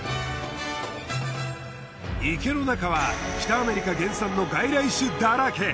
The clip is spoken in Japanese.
池の中は北アメリカ原産の外来種だらけ。